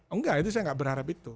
enggak itu saya nggak berharap itu